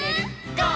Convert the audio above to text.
「ゴー！